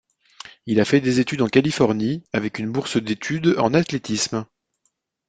Il a fait des études en Californie avec une bourse d’études en athlétisme.